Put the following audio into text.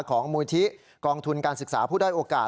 ของมวัตถิกองทุนการศึกษาผู้ได้โอกาส